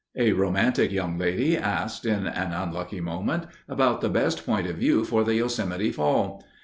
A romantic young lady asks, in an unlucky moment, about the best point of view for the Yosemite Fall.